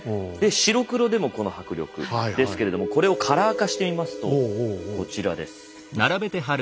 白黒でもこの迫力ですけれどもこれをカラー化してみますとこちらです。